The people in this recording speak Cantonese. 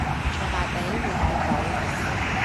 坐大髀會大肚